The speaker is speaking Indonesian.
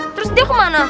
terus dia ke mana